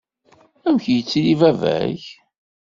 Amek yettili baba-k?